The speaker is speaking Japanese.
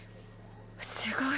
すごい。